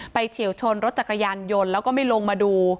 เฉียวชนรถจักรยานยนต์แล้วก็ไม่ลงมาดู